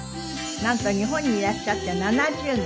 なんと日本にいらっしゃって７０年。